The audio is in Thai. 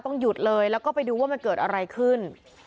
หยุดเลยแล้วก็ไปดูว่ามันเกิดอะไรขึ้น